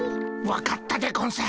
分かったでゴンス。